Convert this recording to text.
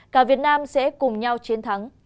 cả việt nam sẽ cùng nhau chiến thắng